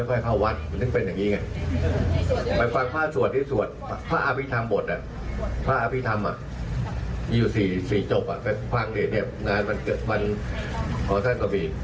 ท่านนายยกว่าตอนนี้อะไรของท่าน